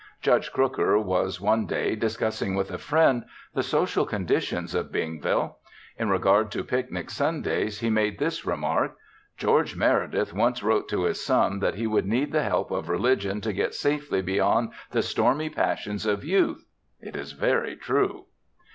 Judge Crooker was, one day, discussing with a friend the social conditions of Bingville. In regard to picnic Sundays he made this remark: "George Meredith once wrote to his son that he would need the help of religion to get safely beyond the stormy passions of youth. It is very true!"